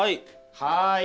はい。